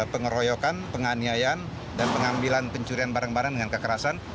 pengaroyokan penganiayan dan pengambilan pencurian barang barang dengan kekerasan